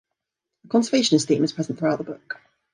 A conservationist theme is present throughout the book.